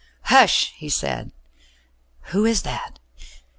"Hush!" he said. "Who is that?"